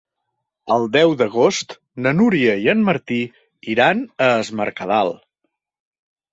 El deu d'agost na Núria i en Martí iran a Es Mercadal.